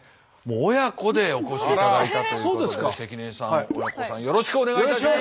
親子でお越しいただいたということで関根さん親子さんよろしくお願いします！